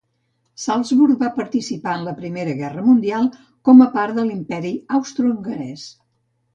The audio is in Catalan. Salzburg va participar en la Primera Guerra Mundial, com a part de l'Imperi Austrohongarès.